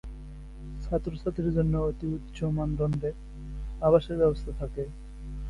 ছাত্র-ছাত্রীর জন্য অতি উচ্চ মানদণ্ডের আবাসের ব্যবস্থা থাকে।